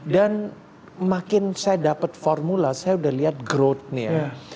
dan makin saya dapat formula saya udah lihat growth nya